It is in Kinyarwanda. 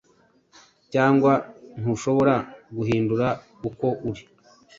Cyangwa ntushobora guhindura uko uri